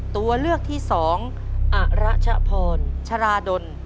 ตัวเลือกที่สองอรัชพรชราดล